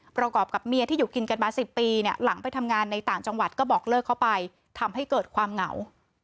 ประกอบกับเมียที่อยู่กินกันมา๑๐ปีเนี่ยหลังไปทำงานในต่างจังหวัดก็บอกเลิกเข้าไปทำให้เกิดความเหงา